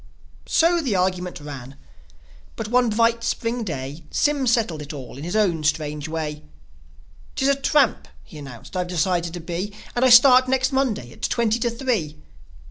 So the argument ran; but one bright Spring day Sym settled it all in his own strange way. "'Tis a tramp," he announced, "I've decided to be; And I start next Monday at twenty to three